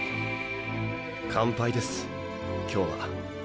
完敗です今日は。